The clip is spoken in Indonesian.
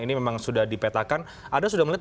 ini memang sudah dipetakan ada sudah